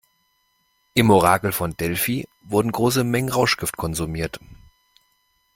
Im Orakel von Delphi wurden große Mengen Rauschgift konsumiert.